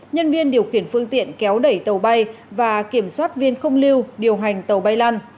nhân viên điều khiển phương tiện kéo đẩy tàu bay và kiểm soát viên không lưu điều hành tàu bay lăn